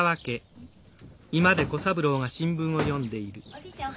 おじいちゃん